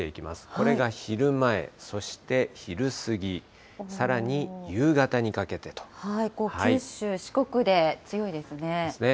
これが昼前、そして昼過ぎ、さら九州、四国で強いですね。